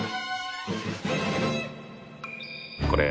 これ。